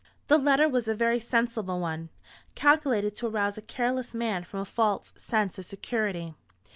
The letter was a very sensible one, calculated to arouse a careless man from a false sense of security.